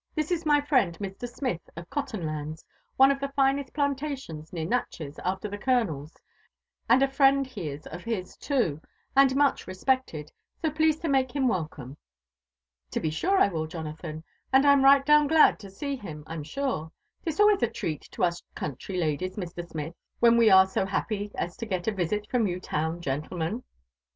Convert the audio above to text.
This is my friend, Mr. Smith of Cottenlands, one of the finest plantations near Natchez after the coloners; and a friend he is of his too, and much respected, so please to make him welcome." " To be sure I will, Jonathan ; and I'm right down glad to see him, I'm sure. 'Tis always a treat to us country ladies, Mr. Smith, when we are so happy as to get a visit from you town gentlemen.